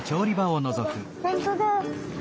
ほんとだ。